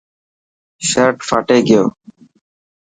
شرٽ ڦاٽي گيو.